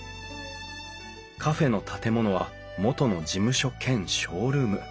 カフェの建物は元の事務所兼ショールーム。